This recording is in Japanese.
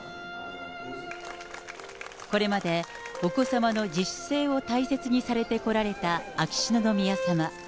これまで、お子さまの自主性を大切にされてこられた秋篠宮さま。